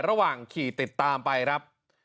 ระหว่างขี่ติดตามไปครับ